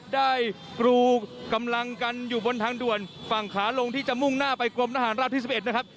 กรูกำลังกันอยู่บนทางด่วนฝั่งขาลงที่จะมุ่งหน้าไปกรมทหารราบที่๑๑นะครับ